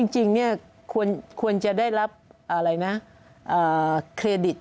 จริงควรจะได้รับเครดิต